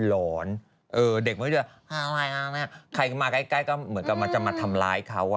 หล่อนเออเด็กมันไม่รู้ว่าอะไรอะไรใครมาใกล้ก็เหมือนกับมันจะมาทำร้ายเขา